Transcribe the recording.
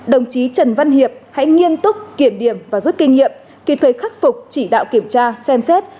đồng chí trần văn hiệp hãy nghiêm túc kiểm điểm và rút kinh nghiệm kịp thời khắc phục chỉ đạo kiểm tra xem xét